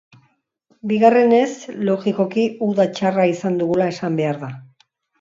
Bigarrenez, logikoki, uda txarra izan dugula esan behar da.